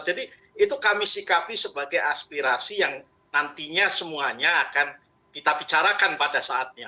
itu kami sikapi sebagai aspirasi yang nantinya semuanya akan kita bicarakan pada saatnya